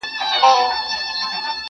د کيسې دردناک اثر لا هم ذهن کي پاتې.